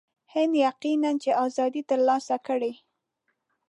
هند یقیناً چې آزادي ترلاسه کړي.